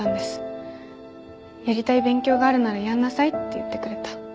「やりたい勉強があるならやんなさい」って言ってくれた。